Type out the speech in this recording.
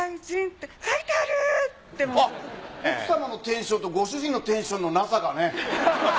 奥様のテンションとご主人のテンションのなさがね。